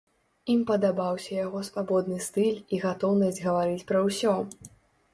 Ім падабаўся яго свабодны стыль і гатоўнасць гаварыць пра ўсё.